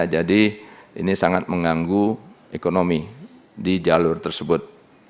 jadi ini sangat mengganggu ekonomi di jalur tersebut